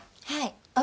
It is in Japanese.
はい。